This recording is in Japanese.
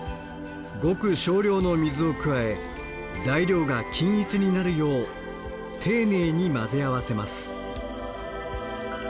ごく少量の水を加え材料が均一になるよう丁寧に混ぜ合わせます。